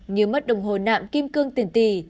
như mất đồng hồ nạm kim cương tiền tỷ